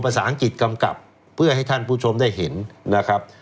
ภาษาอังกฤษกำกับเพื่อให้ท่านผู้ชมได้เห็นนะครับ